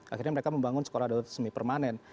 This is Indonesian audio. akhirnya mereka membangun sekolah semi permanen